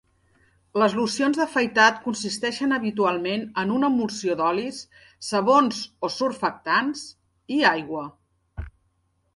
Les locions d'afaitat consisteixen habitualment en una emulsió d'olis, sabons o surfactants, i aigua.